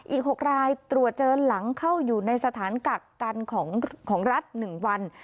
อีก๖รายตรวจเจอหลังเข้าอยู่ในสถานกักกันของรัฐ๑วัน